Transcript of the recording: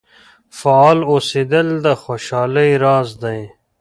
فعال اوسیدل د خوشحالۍ راز دی.